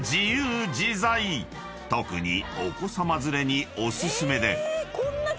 ［特にお子さま連れにお薦めで］